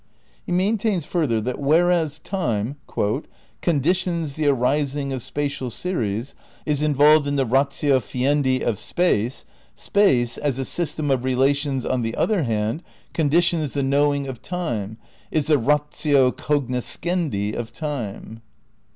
He maintains further that whereas time "conditions the arising of spatial series, is involved in the ratio fiendi of space, space, as a system of relations on the other hand conditions the knowing of time, is the ratio cognoscendi of time."